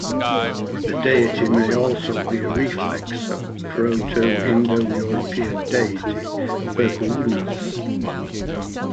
The deity may also be a reflex of the Proto-Indo-European deity Perkwunos.